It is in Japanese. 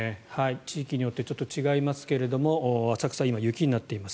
地域によってちょっと違いますけど浅草は今、雪になっています。